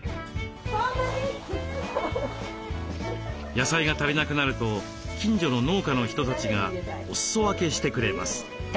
野菜が足りなくなると近所の農家の人たちがおすそ分けしてくれます。